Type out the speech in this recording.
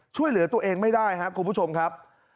ช่วยเหลือตัวเองไม่ได้ครับคุณผู้ชมครับ